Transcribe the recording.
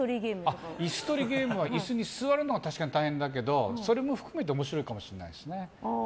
椅子取りゲームは椅子に座るのは確かに大変だけどそれも含めて面白いかもしれないですね。